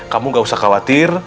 kamu gak usah khawatir